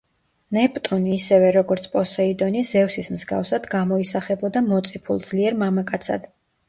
ნეპტუნი, ისევე როგორც პოსეიდონი, ზევსის მსგავსად, გამოისახებოდა მოწიფულ, ძლიერ მამაკაცად.